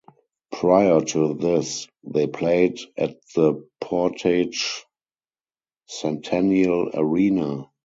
Prior to this, they played at the Portage Centennial Arena.